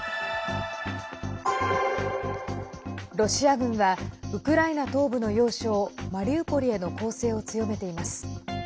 ロシア軍はウクライナ東部の要衝マリウポリへの攻勢を強めています。